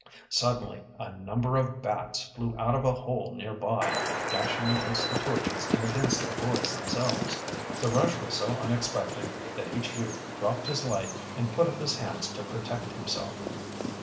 Suddenly a number of bats flew out of a hole nearby, dashing against the torches and against the boys themselves. The rush was so unexpected that each youth dropped his light and put up his hands to protect himself.